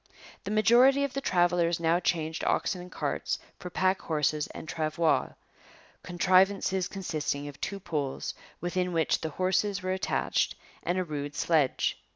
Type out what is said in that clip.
The majority of the travellers now changed oxen and carts for pack horses and travois, contrivances consisting of two poles, within which the horses were attached, and a rude sledge.